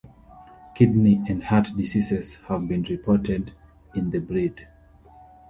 Kidney and heart diseases have been reported in the breed.